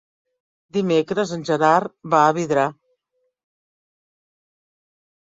Dimecres en Gerard va a Vidrà.